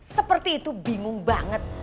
seperti itu bingung banget